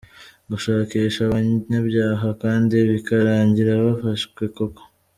gushakisha abanyabyaha kandi bikarangira bafashwe koko.